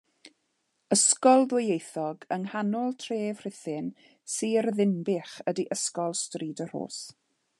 Ysgol ddwyieithog yng nghanol tref Rhuthun, Sir Ddinbych ydy Ysgol Stryd y Rhos.